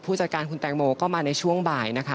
จัดการคุณแตงโมก็มาในช่วงบ่ายนะคะ